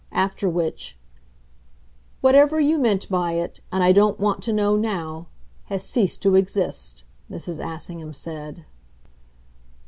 After which, "Whatever you meant by it and I don't want to know NOW has ceased to exist," Mrs. Assingham said.